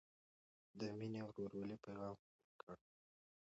د مینې او ورورولۍ پيغام خپور کړئ.